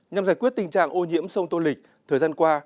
nhằm giải quyết tình trạng ô nhiễm sông tô lịch thời gian qua